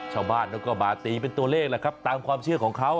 ชาวบ้านเขาก็มาตีเป็นตัวเลขแหละครับตามความเชื่อของเขา